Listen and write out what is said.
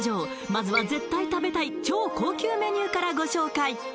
まずは絶対食べたい超高級メニューからご紹介